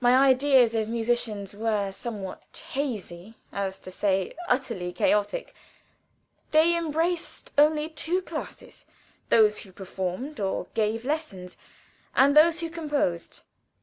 My ideas of musicians were somewhat hazy, not to say utterly chaotic; they embraced only two classes: those who performed or gave lessons, and those who composed.